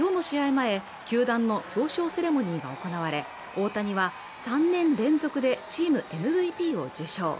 前、球団の表彰セレモニーが行われ、大谷は３年連続でチームＭＶＰを受賞。